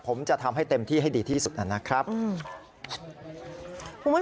ผมจะทำให้เต็มที่ให้ดีที่สุดนะครับ